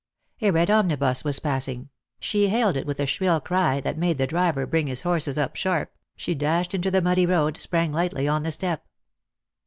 A red omnibus was passing ; she hailed it with a shrill cry that made the driver bring his horses up sharp, she dashed into the muddy road, sprang lightly on the step.